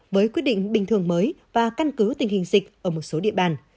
với quyết định bình thường mới và căn cứ tình hình dịch ở một số địa bàn